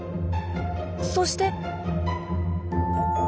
そして。